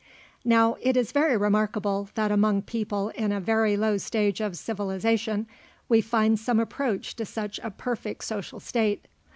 Now it is very remarkable, that among people in a very low stage of civilization, we find some approach to such a perfect social state.